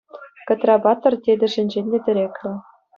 Кӑтра-паттӑр тетӗшӗнчен те тӗреклӗ.